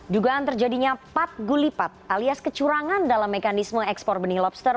dugaan terjadinya pat gulipat alias kecurangan dalam mekanisme ekspor benih lobster